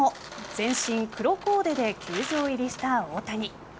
全身黒コーデで球場入りした大谷。